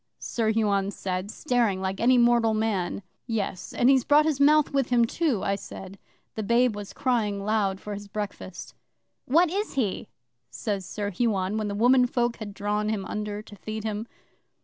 Sir Huon said, staring like any mortal man. '"Yes, and he's brought his mouth with him, too," I said. The babe was crying loud for his breakfast. '"What is he?" says Sir Huon, when the womenfolk had drawn him under to feed him.